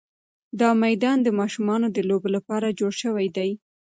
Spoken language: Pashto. دا میدان د ماشومانو د لوبو لپاره جوړ شوی دی.